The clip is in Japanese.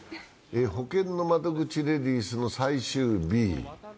ほけんの窓口レディースの最終日。